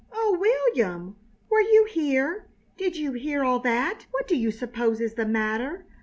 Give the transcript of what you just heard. "Oh, William! Were you here? Did you hear all that? What do you suppose is the matter?